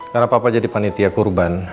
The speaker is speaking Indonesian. karena papa jadi panitia kurban